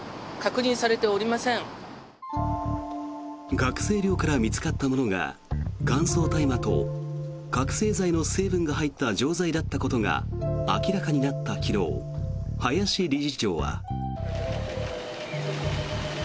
学生寮から見つかったものが乾燥大麻と覚醒剤の成分が入った錠剤だったことが明らかになった昨日林理事長は。